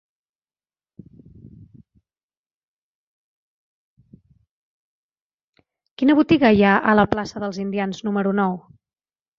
Quina botiga hi ha a la plaça dels Indians número nou?